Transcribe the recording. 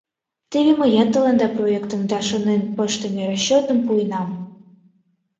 Теве мыят тыланда проектым да шонен пыштыме расчётым пуэнам.